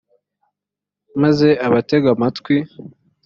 maze abatega amatwi